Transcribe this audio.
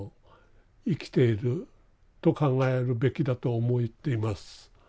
生きていると考えるべきだと思っています。